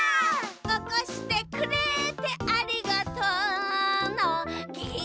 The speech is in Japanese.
「おこしてくれてありがとうのぎゅっ」